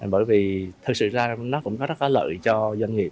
bởi vì thực sự ra nó cũng có rất là lợi cho doanh nghiệp